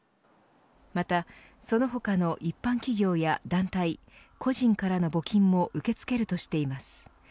また、その他の一般企業や団体個人からの募金も受け付けるとしています。